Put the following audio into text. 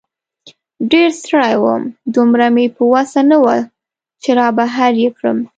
ډېر ستړی وم، دومره مې په وسه نه وه چې را بهر یې کړم.